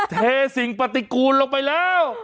เทสิ่งปฏิกูลลงไปแล้ว